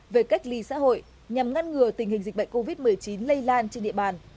về cách ly xã hội nhằm ngăn ngừa tình hình dịch bệnh covid một mươi chín lây lan trên địa bàn